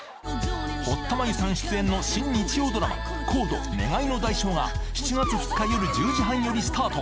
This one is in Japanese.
堀田真由さん出演の新日曜ドラマ『ＣＯＤＥ−願いの代償−』が７月２日よる１０時半よりスタート